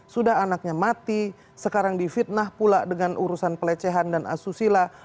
sudah anaknya mati sekarang difitnah pula dengan urusan pelecehan dan asusila